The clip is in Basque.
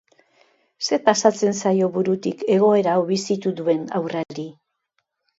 Zer pasatzen zaio burutik egoera hau bizitu duen haurrari?